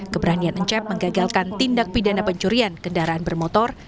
keberanian ncep menggagalkan tindak pidana pencurian kendaraan bermotor